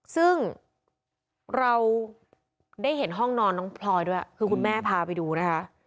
ซึ่งเราได้เห็นห้องนอนน้องพลอยด้วยคือคุณแม่พาไปดูนะคะ